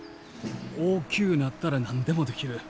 大きゅうなったら何でもできる。